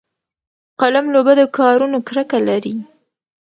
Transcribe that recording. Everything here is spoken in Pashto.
قلم له بدو کارونو کرکه لري